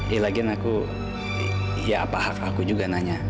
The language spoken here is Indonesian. ya lagiin aku ya apa hak aku juga nanya